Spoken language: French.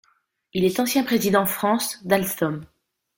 Il est ancien président France d'Alstom.